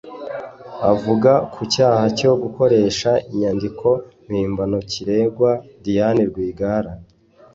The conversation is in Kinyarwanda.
Avuga ku cyaha cyo gukoresha inyandiko mpimbano kiregwa Diane Rwigara